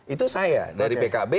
itu saya dari pkb